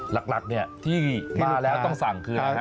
หลักที่มาแล้วต้องสั่งคืออะไรครับ